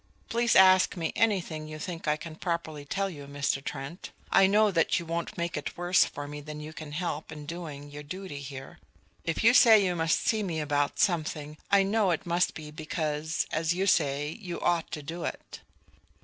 Please ask me anything you think I can properly tell you, Mr. Trent. I know that you won't make it worse for me than you can help in doing your duty here. If you say you must see me about something, I know it must be because, as you say, you ought to do it."